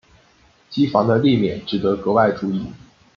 机房的立面值得格外注意。